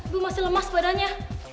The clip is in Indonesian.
bu masih lemas badannya